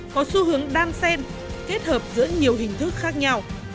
có xu hướng đan sen kết hợp giữa nhiều hình thức khác nhau